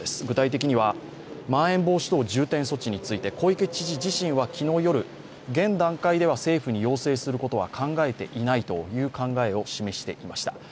具体的にはまん延防止等重点措置について小池知事自身は昨日夜、現段階では要請することは考えていないという考えを示していました。